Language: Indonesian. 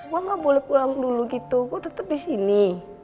gue gak boleh pulang dulu gitu gue tetep disini